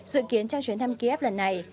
dự kiến trong chuyến thăm kiev lần này